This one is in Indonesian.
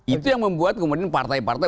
itu yang membuat kemudian partai partai